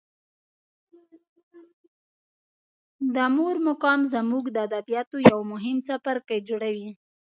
د مور مقام زموږ د ادبیاتو یو مهم څپرکی جوړوي.